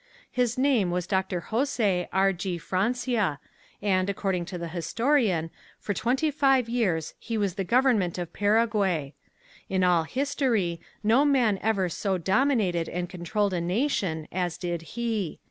His name was Dr. Jose R. G. Francia and, according to the historian, for twenty five years he was the government of Paraguay. In all history no man ever so dominated and controlled a nation as did he.